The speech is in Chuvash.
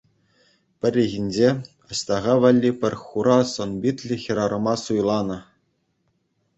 Пӗррехинче Аҫтаха валли пӗр хура сӑн-питлӗ хӗрарӑма суйланӑ.